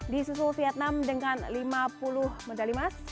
di susul vietnam dengan lima puluh medali emas